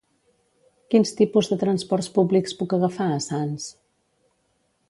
Quins tipus de transports públics puc agafar a Sants?